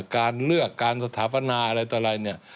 การเลือกการสถาปนาอะไรต่อลาย